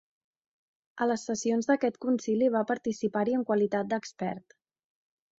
A les sessions d'aquest concili va participar-hi en qualitat d'expert.